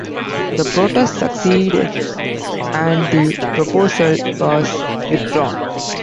The protest succeeded and the proposal was withdrawn.